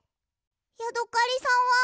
ヤドカリさんは？